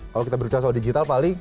kalau kita berbicara soal digital paling